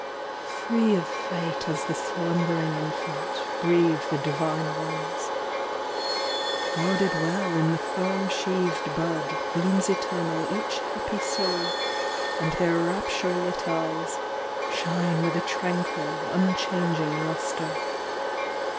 Free of fate as the slumbering Infant, breathe the divine ones. Guarded well In the firm sheathed bud Blooms eternal Each happy soul ; And their rapture lit eyes Shine with a tranquil Unchanging lustre.